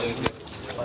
terima kasih pak